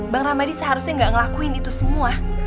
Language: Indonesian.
bang ramadi seharusnya gak ngelakuin itu semua